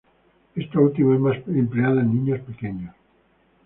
Esta última es más empleada en niños pequeños.